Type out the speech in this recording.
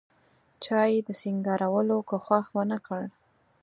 چا یې د سینګارولو کوښښ ونکړ.